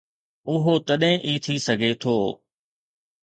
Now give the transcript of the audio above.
اهو تڏهن ئي ٿي سگهي ٿو.